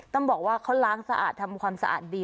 ต้องบอกว่าเขาล้างสะอาดทำความสะอาดดี